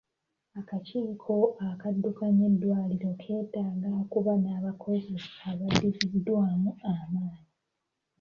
Akakiiko akaddukanya eddwaliro keetaaga okuba n'abakozi abaddiziddwamu amaanyi.